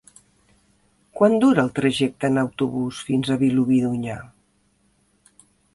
Quant dura el trajecte en autobús fins a Vilobí d'Onyar?